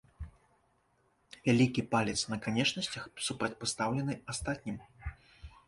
Вялікі палец на канечнасцях супрацьпастаўлены астатнім.